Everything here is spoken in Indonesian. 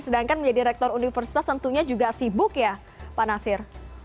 sedangkan menjadi rektor universitas tentunya juga sibuk ya pak nasir